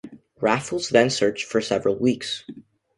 Raffles then searched for several weeks.